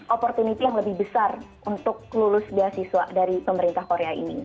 opportunity yang lebih besar untuk lulus beasiswa dari pemerintah korea ini